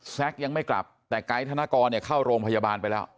ยังไม่กลับแต่ไกด์ธนกรเนี่ยเข้าโรงพยาบาลไปแล้ว